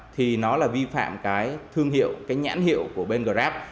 thì nó là vi phạm cái thương hiệu cái nhãn hiệu của bên grab